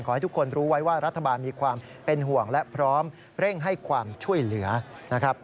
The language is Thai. ให้ทุกคนรู้ไว้ว่ารัฐบาลมีความเป็นห่วงและพร้อมเร่งให้ความช่วยเหลือนะครับ